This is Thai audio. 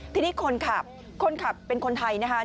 ทีนี้คนขับคนขับเป็นคนไทยนะคะ